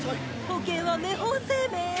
保険は目本生命へ！